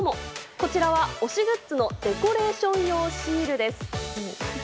こちらは推しグッズのデコレーション用シールです。